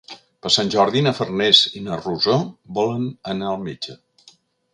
Per Sant Jordi na Farners i na Rosó volen anar al metge.